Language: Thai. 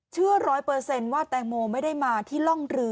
เชื่อร้อยเปอร์เซ็นต์ว่าแตงโมไม่ได้มาที่ร่องเรือ